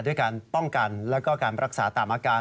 ด้วยการป้องกันแล้วก็การรักษาตามอาการ